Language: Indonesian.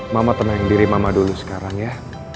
mama tenang diri mama dulu sekarang ya